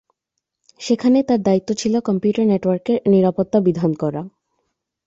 সেখানে তার দায়িত্ব ছিল কম্পিউটার নেটওয়ার্কের নিরাপত্তা বিধান করা।